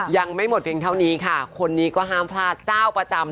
ยังไม่หมดเพียงเท่านี้ค่ะคนนี้ก็ห้ามพลาดเจ้าประจำ